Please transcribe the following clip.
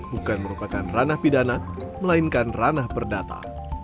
bukan merupakan ranah pidana melainkan ranah perdata